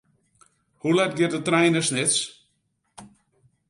Hoe let giet de trein nei Snits?